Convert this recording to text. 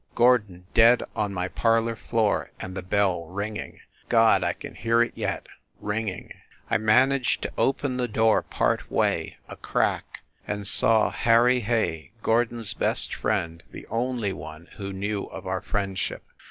Gordon dead on my parlor floor, and the bell ringing .., God ! I can hear it yet ... ringing. 36 FIND THE WOMAN I managed to open the door part way a crack and saw Harry Hay Gordon s best friend the only one who knew of our friendship.